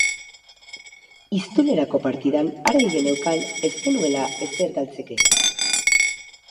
Iztulerako partidan argi geneukan ez genuela ezer galtzeke.